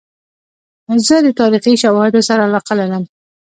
زه د تاریخي شواهدو سره علاقه لرم.